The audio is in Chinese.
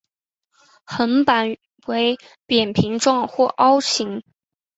横板为扁平状或凹形。